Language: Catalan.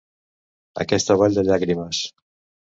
Aquesta vall de llàgrimes.